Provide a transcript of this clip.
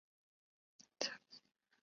极度瞧不起他